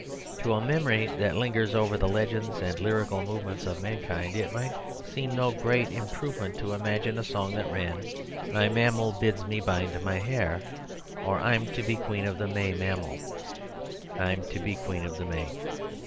To a memory that lingers over the legends and lyrical move ments of mankind, it might seem no great im provement to imagine a song that ran "My mammal bids me bind my hair," or "I'm to be Queen of the May, mammal, I'm to be Queen of the May."